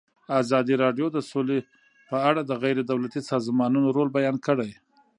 ازادي راډیو د سوله په اړه د غیر دولتي سازمانونو رول بیان کړی.